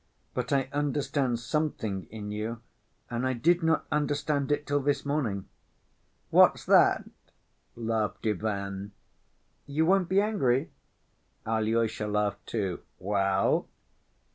But I understand something in you, and I did not understand it till this morning." "What's that?" laughed Ivan. "You won't be angry?" Alyosha laughed too. "Well?"